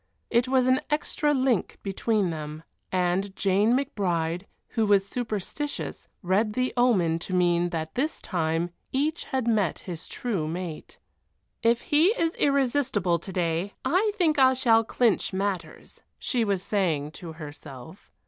It was an extra link between them, and Jane McBride, who was superstitious, read the omen to mean that this time each had met his true mate. "If he is irresistible to day, I think I shall clinch matters," she was saying to herself.